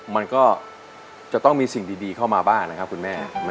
มันก็จะต้องมีสิ่งดีเข้ามาบ้างนะครับคุณแม่